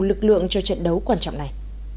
lực lượng cho trận đấu quan trọng này